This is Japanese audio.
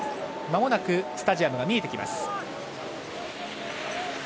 まもなくスタジアムが見えてきます。